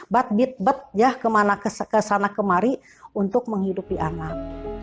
bat bit bat ya kemana kesana kemari untuk menghidupi anak